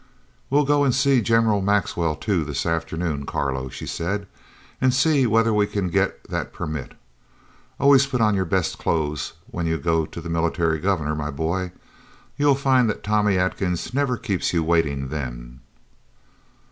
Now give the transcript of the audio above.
"We'll go and see General Maxwell too this afternoon, Carlo," she said, "and see whether we can get that permit. Always put on your best clothes when you go to the Military Governor, my boy. You'll find that Tommy Atkins never keeps you waiting then."